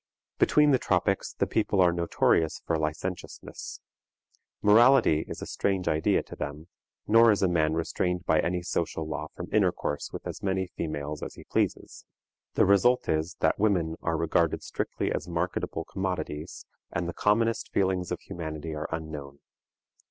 Between the tropics the people are notorious for licentiousness. Morality is a strange idea to them, nor is a man restrained by any social law from intercourse with as many females as he pleases. The result is, that women are regarded strictly as marketable commodities, and the commonest feelings of humanity are unknown.